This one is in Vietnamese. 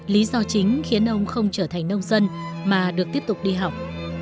lý do chính khiến ông không trở thành nông dân mà được tiếp tục đi học